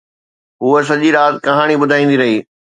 هوءَ سڄي رات ڪهاڻي ٻڌائيندي رهي